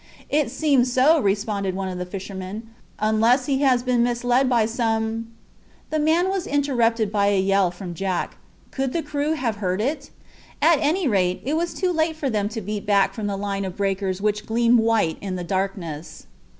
"It seems so," responded one of the fishermen, "unless he has been misled by some—" The man was interrupted by a yell from Jack. Could the crew have heard it? At any rate, it was too late for them to beat back from the line of breakers which gleamed white in the darkness.